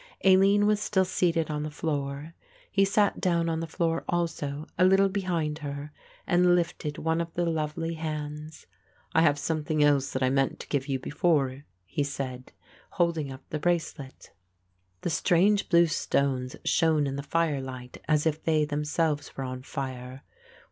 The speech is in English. Aline was still seated on the floor. He sat down on the floor also, a little behind her, and lifted one of the lovely hands. "I have something else that I meant to give you before," he said, holding up the bracelet. The strange blue stones shone in the firelight as if they themselves were on fire.